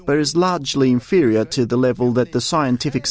bahwa ada konsekuensi untuk pengguna